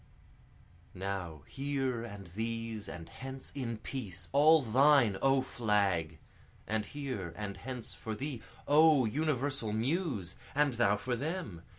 Now here and these and hence in peace, all thine O Flag! And here and hence for thee, O universal Muse! and thou for them!